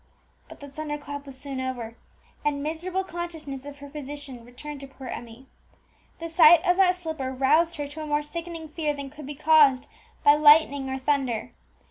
But the thunder clap was soon over, and miserable consciousness of her position returned to poor Emmie. The sight of that slipper roused her to a more sickening fear than could be caused by lightning or thunder.